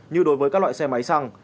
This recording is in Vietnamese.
như đối với các loại xe máy xăng